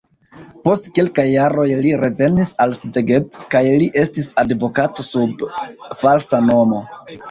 Post kelkaj jaroj li revenis al Szeged kaj li estis advokato sub falsa nomo.